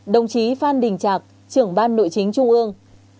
một mươi bảy đồng chí phan đình trạc trưởng ban nội chính trung ương